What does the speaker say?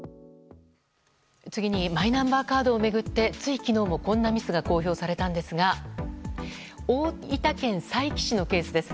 次にマイナンバーカードを巡ってつい昨日もこんなミスが公表されたんですが大分県佐伯市のケースです。